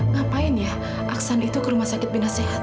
ngapain ya aksan itu ke rumah sakit bina sehat